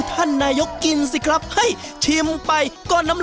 การยำเนี่ยใส่อะไรทิ้งอร่อย